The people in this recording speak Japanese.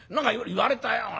「言われたよ。